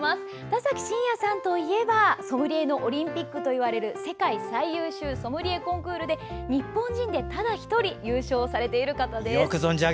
田崎真也さんといえばソムリエのオリンピックといわれる世界最優秀ソムリエコンクールで日本人でただ１人優勝されている方です。